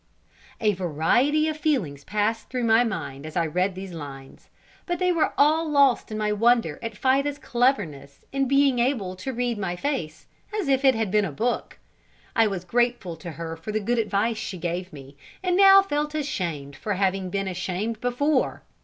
A variety of feelings passed through my mind as I read these lines. But they were all lost in my wonder at Fida's cleverness in being able to read my face, as if it had been a book. I was grateful to her for the good advice she gave me, and now felt ashamed for having been ashamed before.